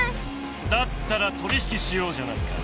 だったら取り引きしようじゃないか。